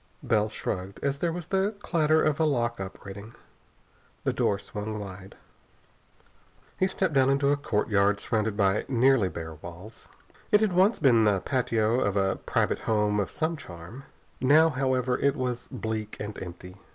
Bell shrugged as there was the clatter of a lock operating. The door swung wide. He stepped down into a courtyard surrounded by nearly bare walls. It had once been the patio of a private home of some charm. Now, however, it was bleak and empty.